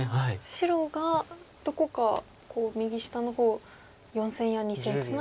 白がどこか右下の方４線や２線ツナ